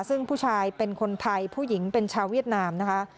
ซึ่งผู้ชายเป็นคนไทยผู้หญิงเป็นชาวเวียดนามนะคะ